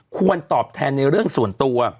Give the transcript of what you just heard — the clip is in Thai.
ควรตอบแทนในเรื่องส่วนตัว